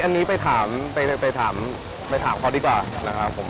อันนี้ไปถามเขาดีกว่านะครับ